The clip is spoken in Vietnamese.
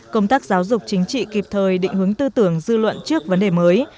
công tác giáo dục chính trị kịp thời định hướng tư tưởng dư luận trước vấn đề mới